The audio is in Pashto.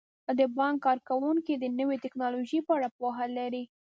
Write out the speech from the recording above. د بانک کارکوونکي د نویو ټیکنالوژیو په اړه پوهه لري.